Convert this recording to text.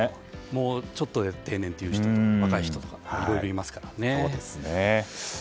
もうちょっとで定年という人とか若い人とかいろいろいますからね。